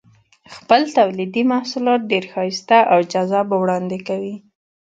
خپل تولیدي محصولات ډېر ښایسته او جذاب وړاندې کوي.